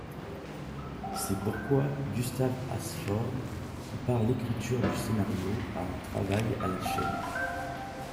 C'est pourquoi Gustav Hasford compare l'écriture du scénario à un travail à la chaîne.